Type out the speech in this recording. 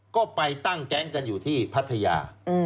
ก็ไปตั้งแก๊งกันอยู่ที่พัทยา